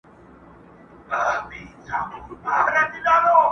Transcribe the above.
د طوطي له خولې خبري نه وتلې،